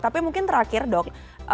tapi mungkin terakhir dok